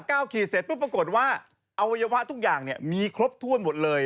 เออ๙ขีดเสร็จปรากฏว่าอวัยวะทุกอย่างมีครบถ้วนหมดเลย